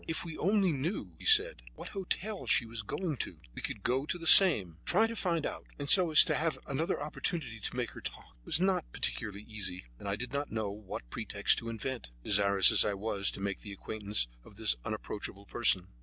"If we only knew," he said, "what hotel she was going to, we would go to the same. Try to find out so as to have another opportunity to make her talk." It was not particularly easy, and I did not know what pretext to invent, desirous as I was to make the acquaintance of this unapproachable person.